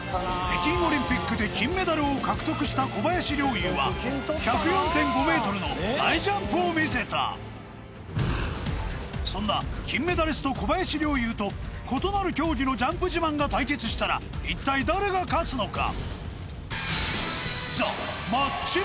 北京オリンピックで金メダルを獲得した小林陵侑は１０４．５ｍの大ジャンプをみせたそんな金メダリスト小林陵侑と異なる競技のジャンプ自慢が対決したら一体誰が勝つのか？